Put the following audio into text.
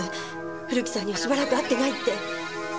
古木さんにはしばらく会ってないって。